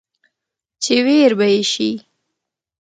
چې وېر به يې شي ،